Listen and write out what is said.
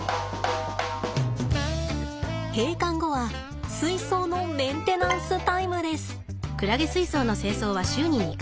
閉館後は水槽のメンテナンスタイムです。